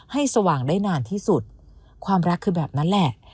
สว่างได้นานที่สุดความรักคือแบบนั้นแหละ